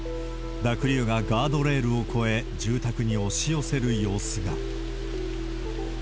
濁流がガードレールを越え、住宅に押し寄せる様子が。